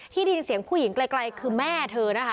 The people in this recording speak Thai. ได้ยินเสียงผู้หญิงไกลคือแม่เธอนะคะ